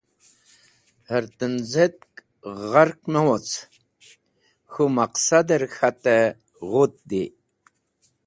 Hẽr tẽnz̃etk ghark me woc khũ maqsadẽr k̃hatẽ ghũt di